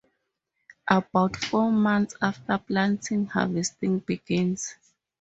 About four months after planting, harvesting begins.